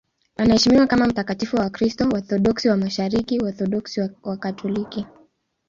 Anaheshimiwa kama mtakatifu na Wakristo Waorthodoksi wa Mashariki, Waorthodoksi na Wakatoliki.